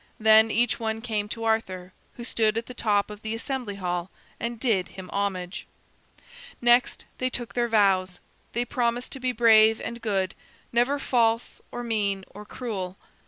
Then each one came to Arthur, who stood at the top of the Assembly Hall, and did him homage. Next they took their vows. They promised to be brave and good, never false, or mean, or cruel.